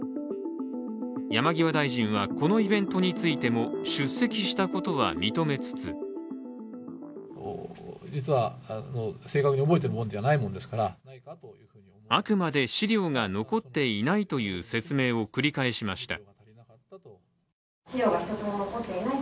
山際大臣はこのイベントについても出席したことは認めつつあくまで資料が残っていないという説明を繰り返しました。